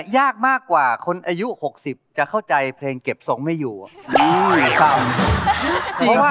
ยากมากกว่าคนอายุ๖๐จะเข้าใจเพลงเก็บทรงไม่อยู่อะ